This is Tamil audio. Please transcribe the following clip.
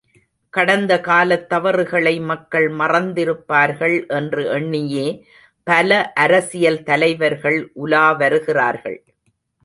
கடந்த காலத் தவறுகளை மக்கள் மறந்திருப்பார்கள் என்று எண்ணியே பல அரசியல் தலைவர்கள் உலா வருகிறார்கள்.